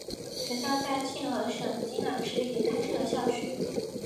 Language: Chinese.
学院在庆和省金兰市也开设了校区。